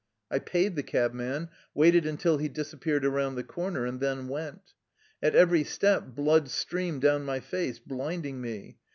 I paid the cabman, waited until he disappeared around the corner, and then went. At every step blood streamed down my face, blinding me.